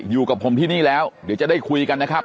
อยู่กับผมที่นี่แล้วเดี๋ยวจะได้คุยกันนะครับ